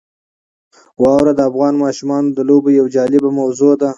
واوره د افغان ماشومانو د لوبو یوه جالبه موضوع ده.